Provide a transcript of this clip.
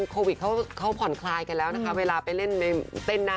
ก็จุกได้อยู่นะคุณผู้ชมนะ